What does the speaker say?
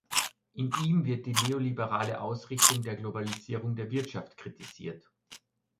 In ihm wird die neoliberale Ausrichtung der Globalisierung der Wirtschaft kritisiert.